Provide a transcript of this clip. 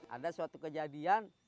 ada suatu kejadian